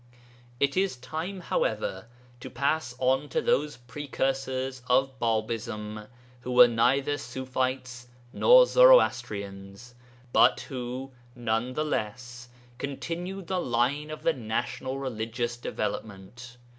It is time, however, to pass on to those precursors of Bābism who were neither Ṣufites nor Zoroastrians, but who none the less continued the line of the national religious development.